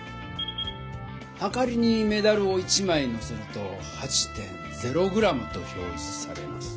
はかりにメダルを１枚のせると８．０ｇと表じされます。